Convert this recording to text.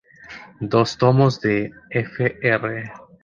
Dos tomos, de Fr.